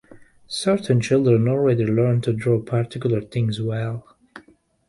Certain children already learned to draw particular things well.